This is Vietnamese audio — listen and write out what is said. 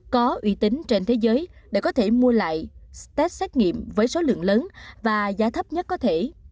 có uy tín trên thế giới để có thể mua lại start xét nghiệm với số lượng lớn và giá thấp nhất có thể